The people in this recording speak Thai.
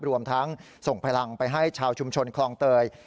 รวมทั้งส่งพลังไปให้ชาวชุมชนคลองเตย